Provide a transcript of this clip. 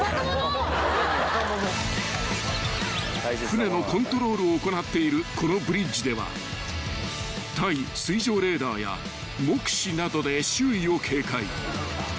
［艦のコントロールを行っているこのブリッジでは対水上レーダーや目視などで周囲を警戒］